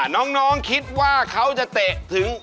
น้องคิดว่าเขาจะเตะถึง